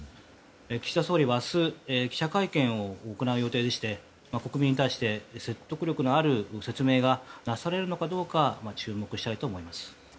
岸田総理は明日記者会見を行う予定でして国民に対して説得力のある説明がなされるのかどうか注目したいと思います。